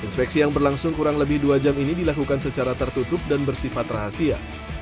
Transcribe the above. inspeksi yang berlangsung kurang lebih dua jam ini dilakukan secara tertutup dan bersifat rahasia